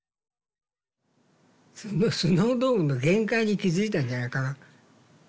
スノードームの限界に気付いたんじゃないかな。